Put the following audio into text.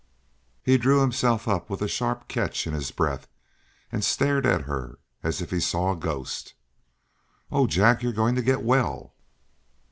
He drew himself up with a sharp catch in his breath, and stared at her as if he saw a ghost. "Oh Jack! You're going to get well!"